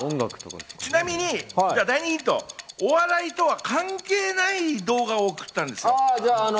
第２ヒント、お笑いとは関係のない動画を送ったんです。